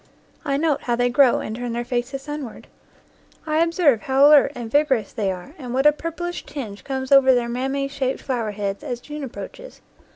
I note how they grow and turn their faces sun ward. I observe how alert and vigorous they are and what a purplish tinge comes over their mammae shaped flower heads, as June approaches.